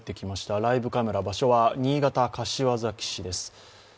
ライブカメラ、場所は新潟・柏崎市です。